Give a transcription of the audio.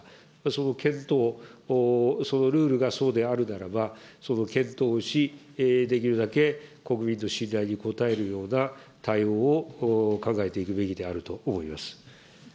その検討、そのルールがそうであるならば、その検討をし、できるだけ国民の信頼に応えるような対応を考えていくべきだと思います。